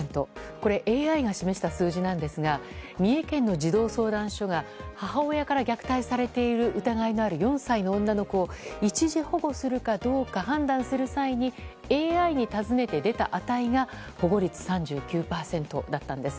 これＡＩが示した数字なんですが三重県の児童相談所が、母親から虐待されている疑いのある４歳の女の子を一時保護するかどうか判断する際にＡＩに尋ねて出た値が保護率３９％だったんです。